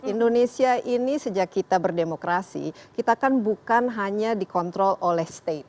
indonesia ini sejak kita berdemokrasi kita kan bukan hanya dikontrol oleh state